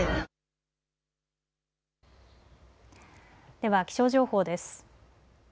では気象情報です。